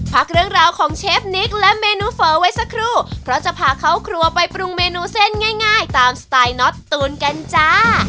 พักเรื่องราวของเชฟนิกและเมนูเฝอไว้สักครู่เพราะจะพาเข้าครัวไปปรุงเมนูเส้นง่ายตามสไตล์น็อตตูนกันจ้า